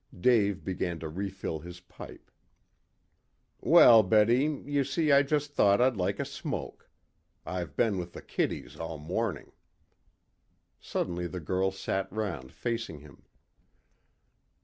Dave began to refill his pipe. "Well, Betty, you see I just thought I'd like a smoke. I've been with the kiddies all morning." Suddenly the girl sat round facing him.